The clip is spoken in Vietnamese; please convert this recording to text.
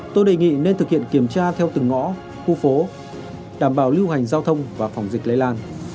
tôi đề nghị nên thực hiện kiểm tra theo từng ngõ khu phố đảm bảo lưu hành giao thông và phòng dịch lây lan